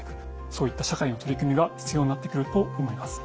そういった社会の取り組みが必要になってくると思います。